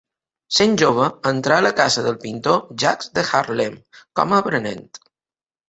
Sent jove, entra a casa del pintor Jacques de Haarlem com a aprenent.